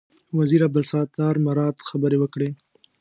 وزیر عبدالستار مراد خبرې وکړې.